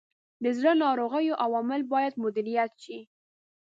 د زړه ناروغیو عوامل باید مدیریت شي.